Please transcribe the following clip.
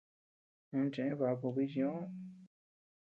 Ú cheʼë baku bichñoʼö.